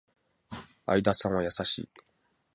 相田さんは優しい